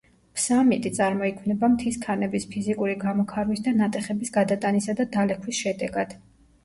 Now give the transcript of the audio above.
ფსამიტი წარმოიქმნება მთის ქანების ფიზიკური გამოქარვის და ნატეხების გადატანისა და დალექვის შედეგად.